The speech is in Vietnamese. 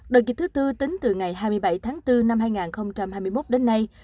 đợt dịch thứ tư tính từ ngày hai mươi bảy tháng bốn năm hai nghìn hai mươi một đến nay